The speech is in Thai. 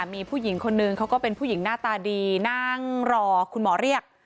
มีผู้หญิงคนนึงเขาก็เป็นผู้หญิงหน้าตาดีนั่งรอคุณหมอเรียก